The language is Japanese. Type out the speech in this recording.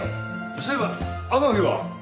そういえば天樹は？